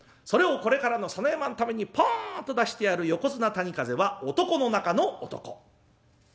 それをこれからの佐野山のためにポンと出してやる横綱谷風は男の中の男。